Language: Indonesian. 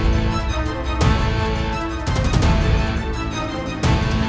silahkan ambillah sendiri